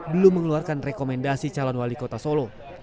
belum mengeluarkan rekomendasi calon wali kota solo